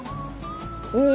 うん。